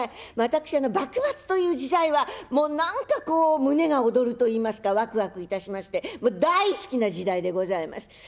私幕末という時代は何かこう胸が躍るといいますかわくわくいたしましてもう大好きな時代でございます。